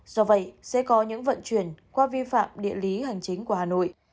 do vậy sẽ có những vận chuyển qua vi phạm địa lý hành chính của hà nội